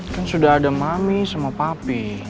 kan sudah ada mami sama papi